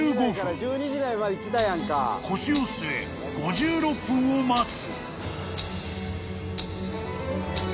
［腰を据え５６分を待つ］